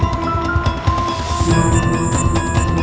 aku akan menjaga mereka